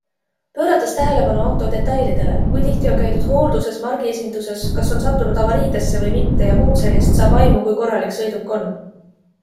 Pöörates tähelepanu auto detailidele - kui tihti on käidud hoolduses, margiesinduses, kas on sattunud avariidesse või mitte jms, saab aimu, kui korralik sõiduk on.